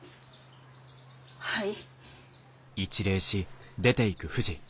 はい。